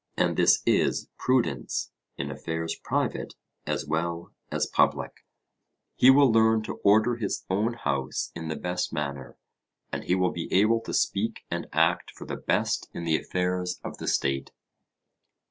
And this is prudence in affairs private as well as public; he will learn to order his own house in the best manner, and he will be able to speak and act for the best in the affairs of the state.